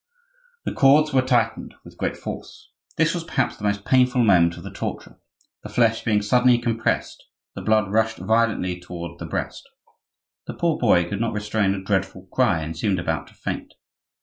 The cords were tightened with great force. This was perhaps the most painful moment of the torture; the flesh being suddenly compressed, the blood rushed violently toward the breast. The poor boy could not restrain a dreadful cry and seemed about to faint.